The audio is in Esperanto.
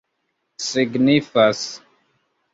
signifas